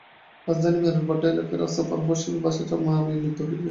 রাজধানীর মেরুল বাড্ডা এলাকায় রাস্তা পার হওয়ার সময় বাসের চাপায় মা-মেয়ের মৃত্যু হয়েছে।